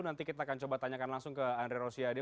nanti kita akan coba tanyakan langsung ke andre rosiade